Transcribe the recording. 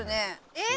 えっ？